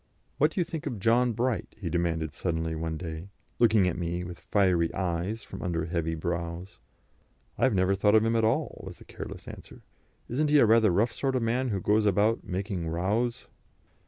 "What do you think of John Bright?" he demanded suddenly one day, looking at me with fiery eyes from under heavy brows. "I have never thought of him at all," was the careless answer. "Isn't he a rather rough sort of man, who goes about making rows?"